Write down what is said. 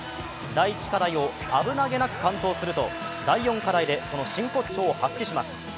第１課題を危なげなく完登すると、第４課題でその真骨頂を発揮します